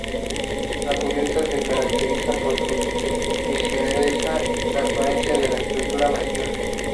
La cubierta se caracteriza por su ligereza y transparencia de la estructura masiva.